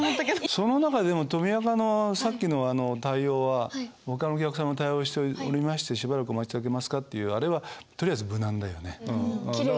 その中でもとみあかのさっきの対応は「ほかのお客様に対応しておりましてしばらくお待ち頂けますか？」っていうあれはとりあえず無難だよね。